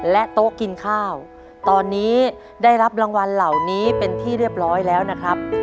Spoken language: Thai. โต๊ะกินข้าวตอนนี้ได้รับรางวัลเหล่านี้เป็นที่เรียบร้อยแล้วนะครับ